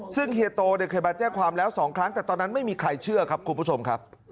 ซึ่งเฮียโตเนี่ยเคยมาแจ้งความแล้ว๒ครั้งแต่ตอนนั้นไม่มีใครเชื่อครับคุณผู้ชมครับ